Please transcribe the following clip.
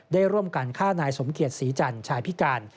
ได้ร่วมกันฆ่านายสมเกียจศรีจันทร์ชายพิการ